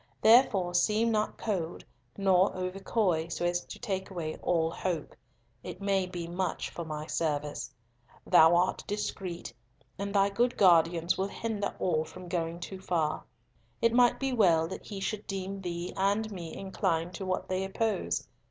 Therefore seem not cold nor over coy, so as to take away all hope. It may be much for my service. Thou art discreet, and thy good guardians will hinder all from going too far. It might be well that he should deem thee and me inclined to what they oppose.